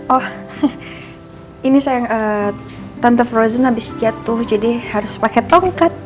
oh ini sayang tante frozen habis jatuh jadi harus pakai tongkat